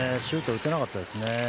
シュートが打てなかったです。